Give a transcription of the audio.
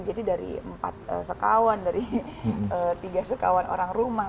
jadi dari empat sekawan dari tiga sekawan orang rumah